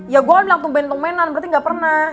ya gue kan bilang tumpen tumpenan berarti gak pernah